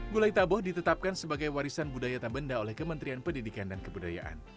gulai taboh ditetapkan sebagai warisan budaya tabenda oleh kementerian pendidikan dan kebudayaan